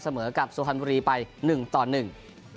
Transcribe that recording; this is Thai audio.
เสมอกับสวรรค์ธรรมดีไปหนึ่งต่อหนึ่ง